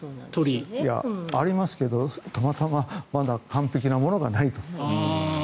ありますけどたまたま、まだ完璧なものがないという。